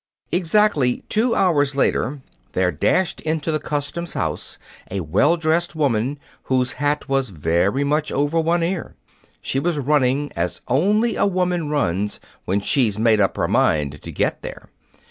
Exactly two hours later, there dashed into the customs house a well dressed woman whose hat was very much over one ear. She was running as only a woman runs when she's made up her mind to get there.